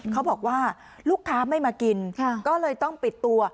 เขาบอกว่าลูกค้าไม่มากินก็เลยต้องปิดตัว